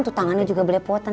tuh tangannya juga belepotan